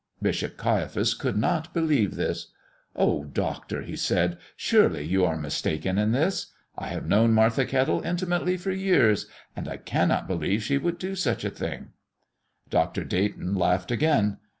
Bishop Caiaphas could not believe this. "Oh, doctor," he said, "surely you are mistaken in this. I have known Martha Kettle intimately for years, and I cannot believe she would do such a thing." Dr. Dayton laughed again.